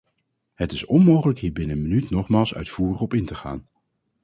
Het is onmogelijk hier binnen een minuut nogmaals uitvoerig op in te gaan.